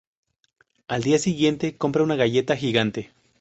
Al día siguiente, compra una galleta gigante.